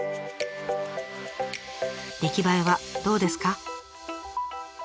出来栄えはどうですか？